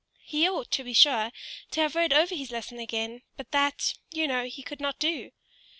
He ought, to be sure, to have read over his lesson again, but that, you know, he could not do.